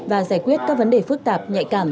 và giải quyết các vấn đề phức tạp nhạy cảm